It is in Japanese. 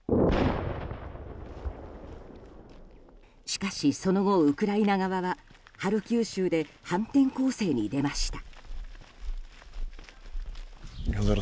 しかし、その後ウクライナ側はハルキウ州で反転攻勢に出ました。